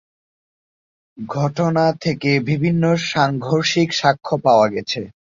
ঘটনা থেকে বিভিন্ন সাংঘর্ষিক সাক্ষ্য পাওয়া গেছে।